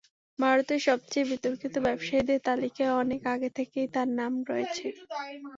ভারতের সবচেয়ে বিতর্কিত ব্যবসায়ীদের তালিকায় অনেক আগে থেকেই তাঁর নাম রয়েছে।